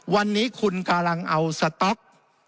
วันนี้คุณกำลังเอาสต๊อก